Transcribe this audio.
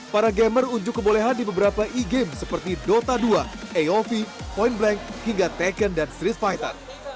para gamer unjuk kebolehan di beberapa e game seperti dota dua aov point blank hingga teken dan street fighter